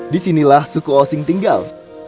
disinilah suku osing tinggal